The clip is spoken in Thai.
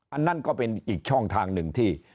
อันนั้นก็เป็นอีกช่องทางหนึ่งที่